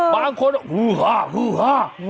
บางคนฮือฮาฮือฮ่า